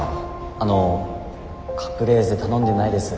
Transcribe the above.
あのカプレーゼ頼んでないです。